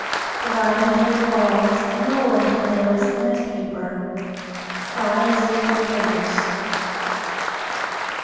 Divide into little balls and roll until they are as thin as paper. Fry as you would fritters.